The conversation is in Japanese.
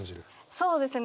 そうですね。